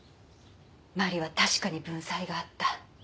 真理は確かに文才があった。